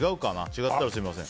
違ったらすみません。